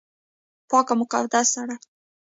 پاک او مقدس سړی